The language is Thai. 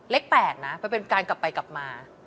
เล็กแปลกนะเป็นการกลับไปกลับมา